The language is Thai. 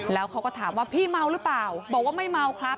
แล้วเขาก็ถามว่าพี่เมาหรือเปล่าบอกว่าไม่เมาครับ